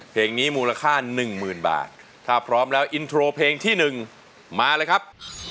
เพลงนี้มูลค่าหนึ่งหมื่นบาทถ้าพร้อมแล้วอินโทรเพลงที่หนึ่งมาเลยครับ